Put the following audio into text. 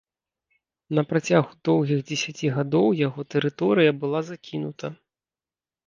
На працягу доўгіх дзесяці гадоў яго тэрыторыя была закінута.